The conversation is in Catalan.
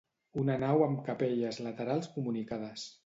Una nau amb capelles laterals comunicades.